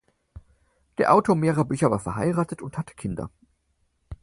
Der Autor mehrerer Bücher war verheiratet und hatte Kinder.